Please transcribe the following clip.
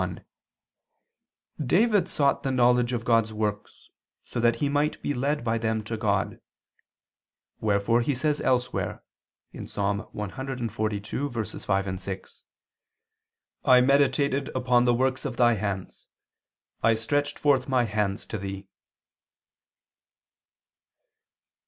1: David sought the knowledge of God's works, so that he might be led by them to God; wherefore he says elsewhere (Ps. 142:5, 6): "I meditated on all Thy works: I meditated upon the works of Thy hands: I stretched forth my hands to Thee."